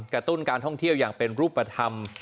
ตุ้นการท่องเที่ยวอย่างเป็นรูปธรรม